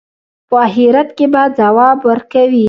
په آخرت کې به ځواب ورکوي.